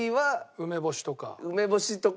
梅干しとかは。